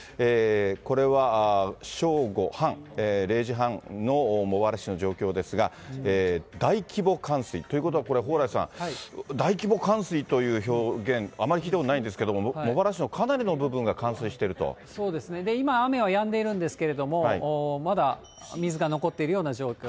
これは正午半、０時半の茂原市の状況ですが、大規模冠水、ということは、これ、蓬莱さん、大規模冠水という表現、あまり聞いたことないんですけれども、茂原市のかなりの部分が冠そうですね、今、雨はやんでいるんですけれども、まだ水が残っているような状況。